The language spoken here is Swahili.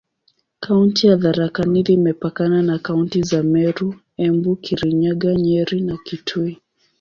Kaunti ya Tharaka Nithi imepakana na kaunti za Meru, Embu, Kirinyaga, Nyeri na Kitui.